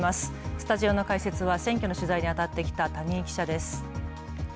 スタジオの解説は、選挙の取材に当たってきた谷井記者です。